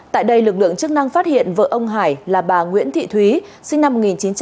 tại đây lực lượng chức năng phát hiện vợ ông hải là bà nguyễn thị thúy sinh năm một nghìn chín trăm tám mươi